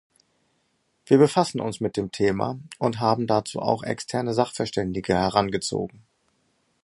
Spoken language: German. Wir befassen uns mit dem Thema und haben dazu auch externe Sachverständige herangezogen.